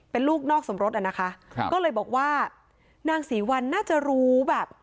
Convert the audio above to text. เป็นลูกนอกสมรสอ่ะนะคะครับก็เลยบอกว่านางศรีวัลน่าจะรู้แบบ